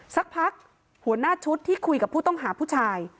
สักพักหัวหน้าชุดที่คุยกับผู้ต้องหาผู้ชาย